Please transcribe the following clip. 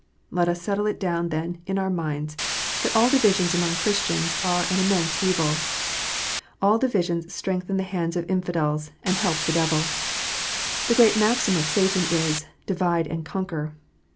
Let us settle it down then in our minds that all divisions among Chris tians are an immense evil. All divisions strengthen the hands of infidels, and help the devil. The great maxim of Satan is, "Divide and conquer."